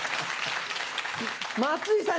松井さん